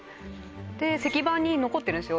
で石板に残ってるんですよ